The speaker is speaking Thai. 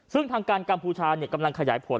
ซึ่งทางการกัมพูชากำลังขยายผล